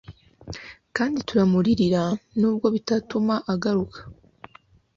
kandi turamuririra, nubwo bitatuma agaruka